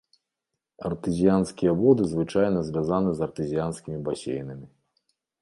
Артэзіянскія воды звычайна звязаны з артэзіянскімі басейнамі.